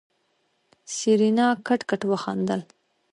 سېرېنا کټ کټ وخندل.